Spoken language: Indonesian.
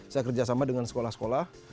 saya kerjasama dengan sekolah sekolah